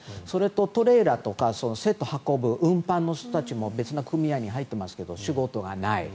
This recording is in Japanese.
トレーラーとかセットを運ぶ運搬の人たちも別な組合に入っていますが仕事がない。